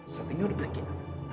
syutingnya udah berikin